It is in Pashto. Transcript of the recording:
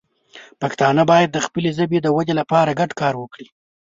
پښتانه باید د خپلې ژبې د وده لپاره ګډ کار وکړي.